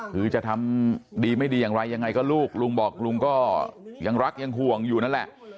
คือจะทำดีไม่ดีอย่างไรยังไงก็ลูกลุงบอกลุงก็ยังรักยังห่วงอยู่นั่นแหละ